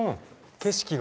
景色が。